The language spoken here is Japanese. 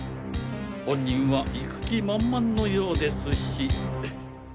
本人は行く気満々のようですし。